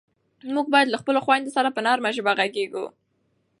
موږ باید له خپلو خویندو سره په نرمه ژبه غږېږو.